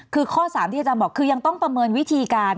คือข้อ๓ที่อาจารย์บอกคือยังต้องประเมินวิธีการ